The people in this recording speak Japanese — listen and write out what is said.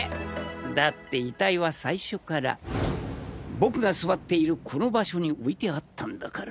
だって遺体は最初から僕が座っているこの場所に置いてあったんだから。